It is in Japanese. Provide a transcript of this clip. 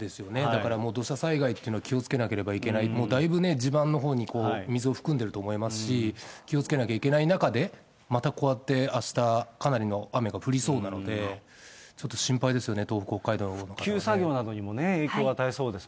だからもう、土砂災害というのは気をつけなければいけない、だいぶね、地盤のほうに水を含んでると思いますし、気をつけなきゃいけない中で、またこうやって、あした、かなりの雨が降りそうなので、ちょっと心配ですよね、東北、復旧作業などにも影響を与え